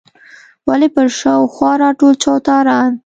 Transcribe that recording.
ولې پر شا او خوا راټول چوتاران.